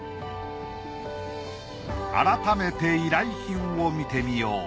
改めて依頼品を見てみよう。